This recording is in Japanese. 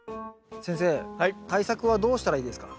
先生対策はどうしたらいいですか？